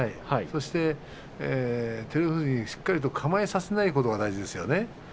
そして照ノ富士にしっかり構えさせないことが大事ですね。